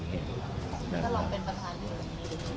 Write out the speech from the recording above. ครับ